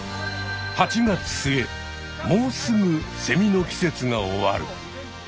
８月末もうすぐセミの季節が終わる。